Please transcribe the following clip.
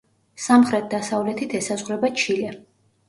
სამხრეთ-დასავლეთით ესაზღვრება ჩილე.